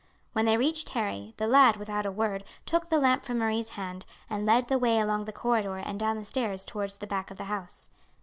When they reached Harry, the lad, without a word, took the lamp from Marie's hand, and led the way along the corridor and down the stairs towards the back of the house.